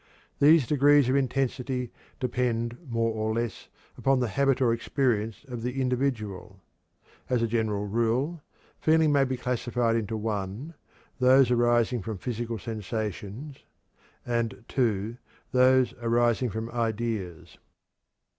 These degrees of intensity depend more or less upon the habit or experience of the individual. As a general rule, feelings may be classified into (1) those arising from physical sensations, and (2) those arising from ideas.